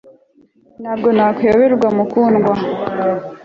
ntago nakuyoberwa mukundwa